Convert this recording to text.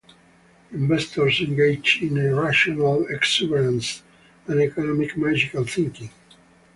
Investors engage in irrational exuberance and economic magical thinking.